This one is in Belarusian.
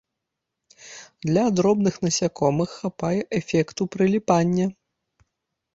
Для дробных насякомых хапае эфекту прыліпання.